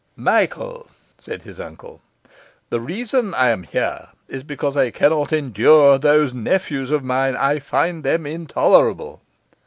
'Michael,' said his uncle, 'the reason that I am here is because I cannot endure those nephews of mine. I find them intolerable.